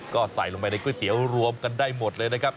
ก็ใส่ลงไปในก๋วยเตี๋ยวรวมกันได้หมดเลยนะครับ